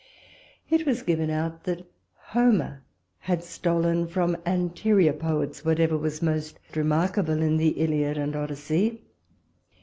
It was given out, that Homer had stolen from anterior poets whatever was most remarkable in the Iliad and Odyssey.